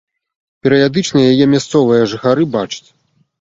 Перыядычна яе мясцовыя жыхары бачаць.